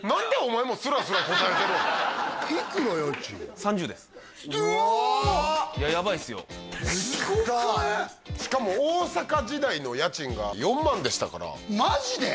思いきったしかも大阪時代の家賃が４万でしたからマジで！？